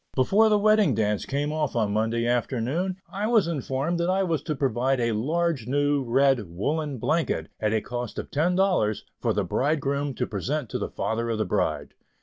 Before the Wedding Dance came off on Monday afternoon, I was informed that I was to provide a large new red woollen blanket, at a cost of ten dollars, for the bridegroom to present to the father of the bride.